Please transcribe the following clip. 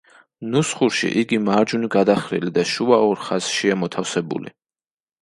ნუსხურში იგი მარჯვნივ გადახრილი და შუა ორ ხაზშია მოთავსებული.